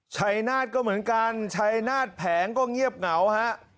ชัยนาฏก็เหมือนกันชัยนาฏแผงก็เงียบเหงาฮะ